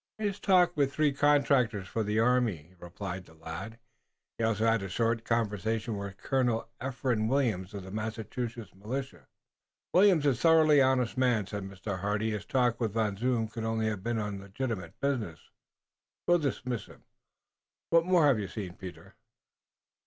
"He has talked with three contractors for the army," replied the lad. "He also had a short conversation with Colonel Ephraim Williams of the Massachusetts militia." "Williams is a thoroughly honest man," said Mr. Hardy. "His talk with Van Zoon could only have been on legitimate business. We'll dismiss him. What more have you seen, Peter?"